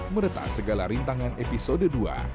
meretas segala rintangan episode dua